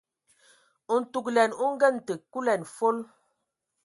Ntugəlɛn o ngənə təg kulɛn fol.